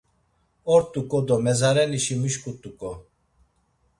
Ort̆uǩo do mezarenişi mişǩut̆uǩo!